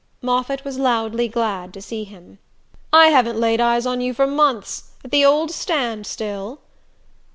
Moffatt was loudly glad to see him. "I haven't laid eyes on you for months. At the old stand still?"